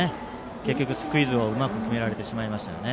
結局スクイズをうまく決められましたね。